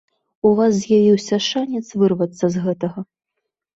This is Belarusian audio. У вас з'явіўся шанец вырвацца з гэтага.